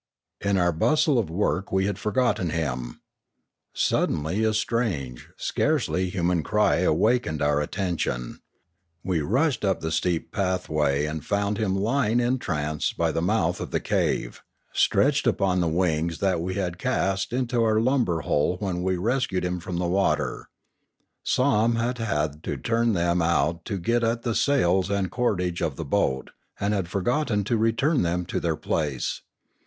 In our bustle of work we had forgotten him. Sud denly a strange, scarcely human cry awakened our at tention. We rushed up the steep pathway and found him lying in trance by the mouth of the cave, stretched upon the wings that we had cast into our lumber hole when we rescued him from the water. Somm had had to turn them out to get at the sails and cordage of the boat, and had forgotten to return them to their place.